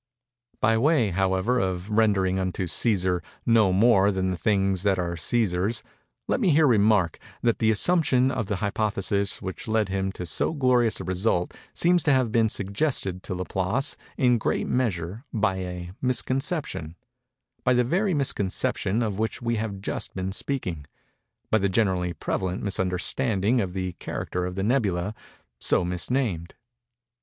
By way, however, of rendering unto Cæsar no more than the things that are Cæsar's, let me here remark that the assumption of the hypothesis which led him to so glorious a result, seems to have been suggested to Laplace in great measure by a misconception—by the very misconception of which we have just been speaking—by the generally prevalent misunderstanding of the character of the nebulæ, so mis named.